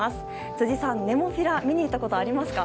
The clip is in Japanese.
辻さん、ネモフィラ見に行ったことありますか？